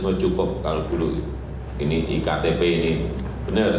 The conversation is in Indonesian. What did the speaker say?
oh cukup kalau dulu ini iktp ini benar